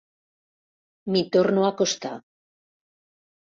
M'hi torno a acostar.